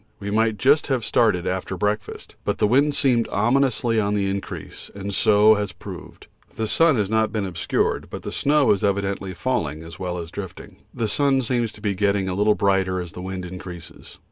We might just have started after breakfast, but the wind seemed obviously on the increase, and so has proved. The sun has not been obscured, but snow is evidently falling as well as drifting. The sun seems to be getting a little brighter as the wind increases.